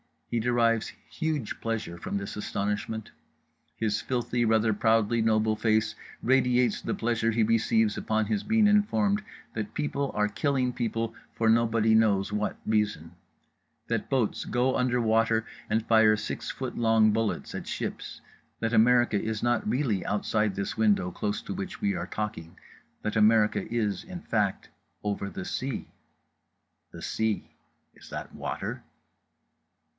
He derives huge pleasure from this astonishment. His filthy rather proudly noble face radiates the pleasure he receives upon being informed that people are killing people for nobody knows what reason, that boats go under water and fire six foot long bullets at ships, that America is not really outside this window close to which we are talking, that America is, in fact, over the sea. The sea: is that water?